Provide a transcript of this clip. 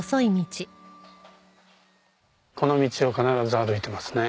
この道を必ず歩いてますね。